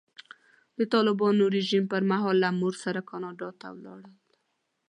د طالبانو رژیم پر مهال له مور سره کاناډا ته ولاړل.